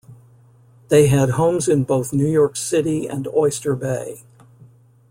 They had homes in both New York City and Oyster Bay.